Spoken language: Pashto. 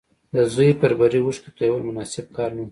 د زوی پر بري اوښکې تويول مناسب کار نه و